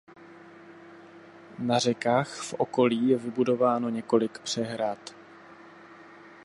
Na řekách v okolí je vybudováno několik přehrad.